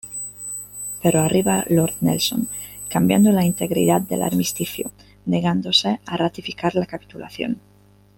Pero arriba Lord Nelson cambiando la integridad del armisticio, negándose a ratificar la capitulación.